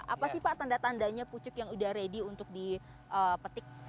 apa sih pak tanda tandanya pucuk yang udah ready untuk dipetik